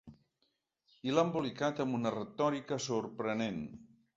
I l’ha embolicat amb una retòrica sorprenent.